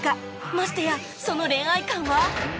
ましてやその恋愛観は？